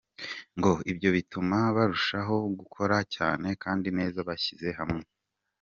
Ngo ibyo bituma barushaho gukora cyane kandi neza bashyize hamwe.